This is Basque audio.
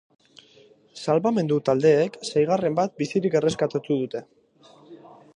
Salbamendu taldeek seigarren bat bizirik erreskatatu dute.